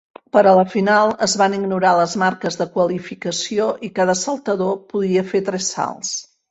Per a la final, es van ignorar les marques de qualificació i cada saltador podia fer tres salts.